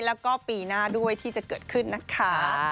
แล้วก็ปีหน้าด้วยที่จะเกิดขึ้นนะคะ